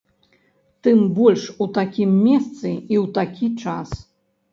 Тым больш у такім месцы і ў такі час!